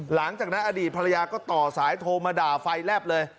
หลังจากนั้นอดีตภรรยาก็ต่อสายโทรมาด่าไฟแลบเลย